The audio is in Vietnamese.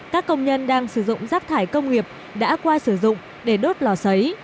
các công nhân đang sử dụng rác thải công nghiệp đã qua sử dụng để đốt lò xấy